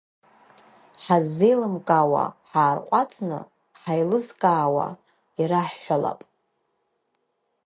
Ҳаззеилымкаауа ҳаарҟәаҵны, ҳаилызкаауа ираҳҳәалап.